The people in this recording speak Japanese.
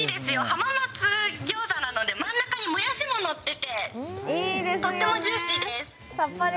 浜松餃子なので真ん中にもやしも乗っててとってもジューシーです。